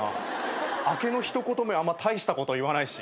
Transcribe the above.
明けの一言目あんま大したこと言わないし。